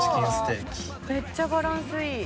「めっちゃバランスいい」